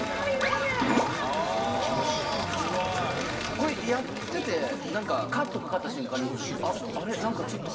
これやっててなんかカットかかった瞬間に「あれ？」。